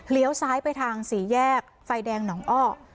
ซ้ายไปทางสี่แยกไฟแดงหนองอ้อ